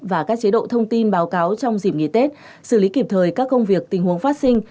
và các chế độ thông tin báo cáo trong dịp nghỉ tết xử lý kịp thời các công việc tình huống phát sinh